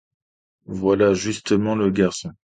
Voilà justement le garçon.